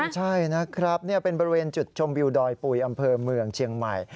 ใช่นะครับเป็นบริเวณจุดชมวิวดอยปุ๋ยอำเภอเมืองเชียงใหม่